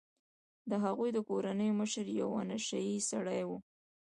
د هغوی د کورنۍ مشر یو نشه يي سړی و.